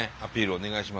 お願いします。